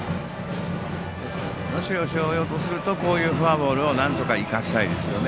能代松陽とするとこういうフォアボールをなんとか生かしたいですね。